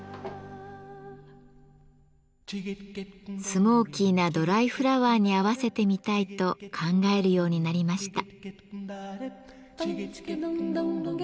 スモーキーなドライフラワーに合わせてみたいと考えるようになりました。